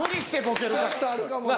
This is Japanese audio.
ちょっとあるかもなぁ。